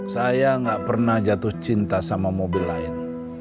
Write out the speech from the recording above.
saya nggak pernah jatuh cinta sama mobil lain